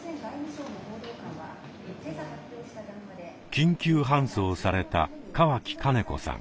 緊急搬送された川木金子さん。